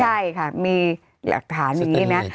ใช่ค่ะมีหลักฐานอย่างนี้นะ